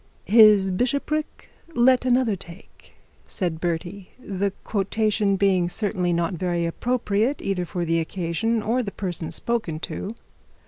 'His bishopric let another take,' said Bertie; the quotation being certainly not very appropriate, either for the occasion, or the person spoken to.